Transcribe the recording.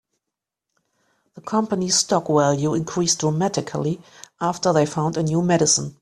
The company's stock value increased dramatically after they found a new medicine.